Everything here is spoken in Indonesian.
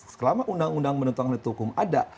selama undang undang menentukan hukum ada